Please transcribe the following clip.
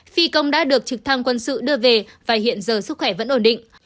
phi công đã được trực thăng quân sự đưa về và hiện giờ sức khỏe vẫn ổn định